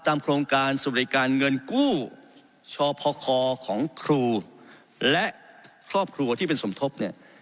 ตามโครงการสบายการเงินกู้ชอบคอของครูและครอบครัวที่เป็นสมทบ